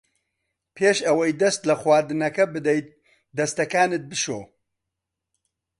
پێش ئەوەی دەست لە خواردنەکە بدەیت دەستەکانت بشۆ.